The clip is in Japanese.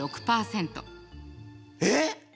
えっ？